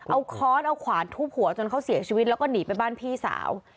เอาค้อนเอาขวานทุบหัวจนเขาเสียชีวิตแล้วก็หนีไปบ้านพี่สาว